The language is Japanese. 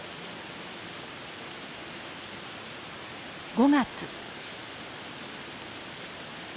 ５月。